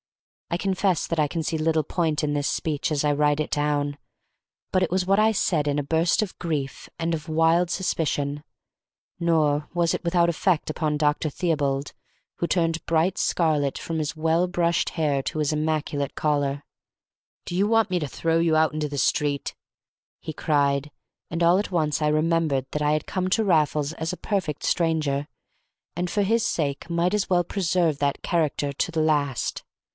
I confess that I can see little point in this speech as I write it down, but it was what I said in a burst of grief and of wild suspicion; nor was it without effect upon Dr. Theobald, who turned bright scarlet from his well brushed hair to his immaculate collar. "Do you want me to throw you out into the street?" he cried; and all at once I remembered that I had come to Raffles as a perfect stranger, and for his sake might as well preserve that character to the last.